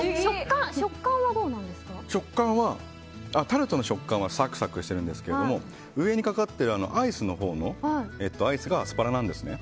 タルトの食感はサクサクしてるんですけど上にかかってるアイスのほうのがアスパラなんですね。